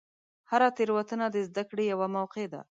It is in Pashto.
هره تېروتنه د زدهکړې یوه موقع ده.